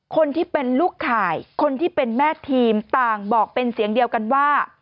คนที่เป็นลูกข่ายคนที่เป็นแม่ทีมต่างบอกเป็นเสียงเดียวกันว่า